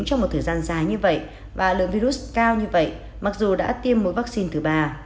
trong một thời gian dài như vậy và lượng virus cao như vậy mặc dù đã tiêm mỗi vaccine thứ ba